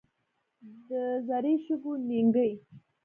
د زري شګو نینکې.